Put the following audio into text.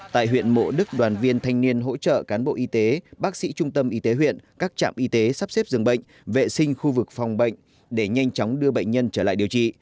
tại huyện mộ đức đoàn viên thanh niên hỗ trợ cán bộ y tế bác sĩ trung tâm y tế huyện các trạm y tế sắp xếp dường bệnh vệ sinh khu vực phòng bệnh để nhanh chóng đưa bệnh nhân trở lại điều trị